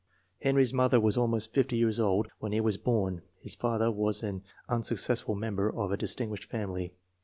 Henry's mother was almost 50 years old when he was born. His father was an unsuccessful member of a distinguished family.